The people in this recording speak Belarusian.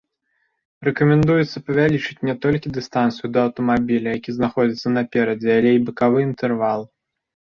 Рэкамендуецца павялічыць не толькі дыстанцыю да аўтамабіля, які знаходзіцца наперадзе, але і бакавы інтэрвал.